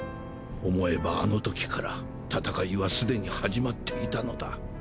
思えばあのときから戦いはすでに始まっていたのだ。